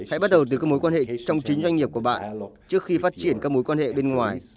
hãy bắt đầu từ các mối quan hệ trong chính doanh nghiệp của bạn trước khi phát triển các mối quan hệ bên ngoài